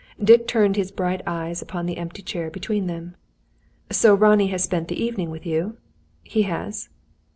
Dick turned his bright eyes on to the empty chair between them. "So Ronnie has spent the evening with you?" "He has."